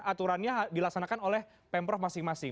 aturannya dilaksanakan oleh pemprov masing masing